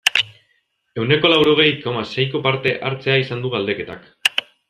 Ehuneko laurogei, koma, seiko parte-hartzea izan du galdeketak.